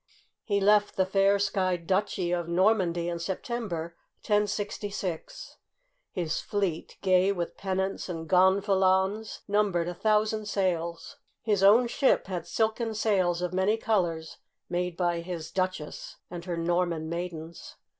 He left the fair skyed duchy of Nor mandy in September, 1066. His fleet, gay with pen nants and gonfalons, numbered a thousand sails. His own ship had silken sails of many colors made by his duchess and her Norman maidens.